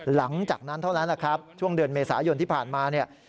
หลังจากนั้นเท่านั้นแหละครับช่วงเดือนเมษายนที่ผ่านมาเนี่ย